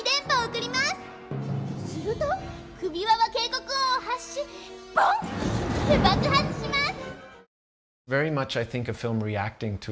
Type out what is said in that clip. すると首輪は警告音を発しボン！って爆発します！